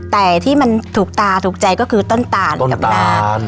แต่ที่มันถูกตาถูกใจก็คือต้นตาลกับนา